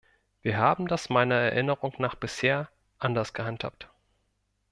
Wir haben das meiner Erinnerung nach bisher anders gehandhabt.